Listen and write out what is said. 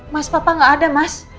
mas papa nggak ada mas